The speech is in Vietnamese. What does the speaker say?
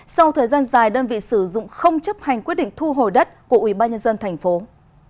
sau thời gian dài đơn vị sử dụng không chấp hành quyết định thu hồi đất của ủy ban nhân dân tp hcm